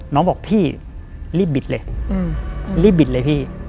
น้องบอกพี่รีบบิดเลยรีบบิดเลยพี่